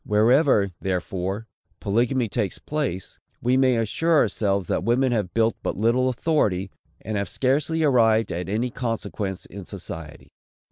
Wherever, therefore, polygamy takes place, we may assure ourselves that women have but little authority, and have scarcely arrived at any consequence in society.